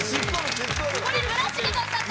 これ村重が歌ってた。